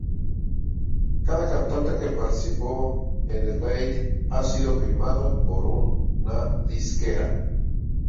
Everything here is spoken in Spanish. Cada cantante que participó en "The Battle" ha sido firmado por una disquera.